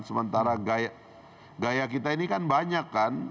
sementara gaya kita ini kan banyak kan